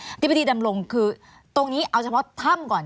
ธิบดีดำรงคือตรงนี้เอาเฉพาะถ้ำก่อน